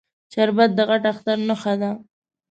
شربت د غټ اختر نښه ده